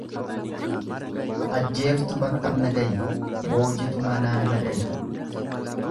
Ajjeeftu bakkaan na gayi boojitu manaan na gayi.